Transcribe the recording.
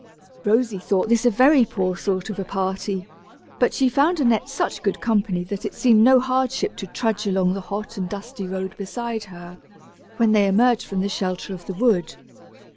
Rosy thought this a very poor sort of a party; but she found Annette such good company that it seemed no hardship to trudge along the hot and dusty road beside her, when they emerged from the shelter of the wood.